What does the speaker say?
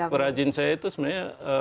kerajin saya itu sebenarnya